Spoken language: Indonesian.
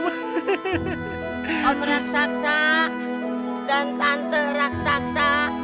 hap raksasa dan tante raksasa